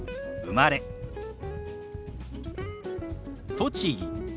「栃木」。